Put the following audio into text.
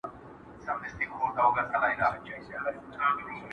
کومول زړه نا زړه سو تېر له سر او تنه!.